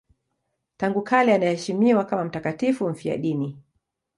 Tangu kale anaheshimiwa kama mtakatifu mfiadini.